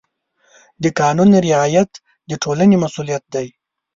د قانون رعایت د ټولنې مسؤلیت دی.